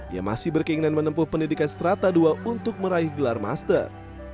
ia masih berkeinginan menempuh pendidikan strata ii untuk meraih gelar master